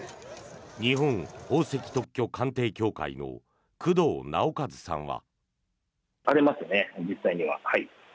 日本宝石特許鑑定協会の工藤直一さんは。